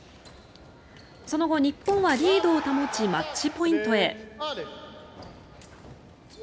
その後、日本はリードを保ちマッチポイントへ。